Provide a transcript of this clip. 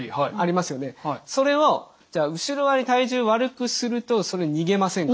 それを後ろ側に体重悪くするとそれ逃げませんか？